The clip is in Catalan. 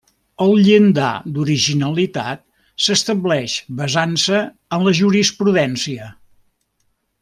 El llindar d'originalitat s'estableix basant-se en la jurisprudència.